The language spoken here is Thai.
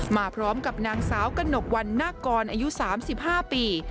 มาพร้อมกับนางสาวกระหนกวันนาคกรอายุ๓๕ปี